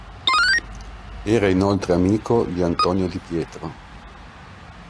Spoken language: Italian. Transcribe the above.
Era inoltre amico di Antonio Di Pietro.